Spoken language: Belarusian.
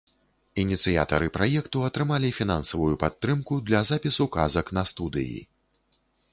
Ініцыятары праекту атрымалі фінансавую падтрымку для запісу казак на студыі.